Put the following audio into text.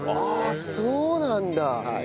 ああそうなんだ。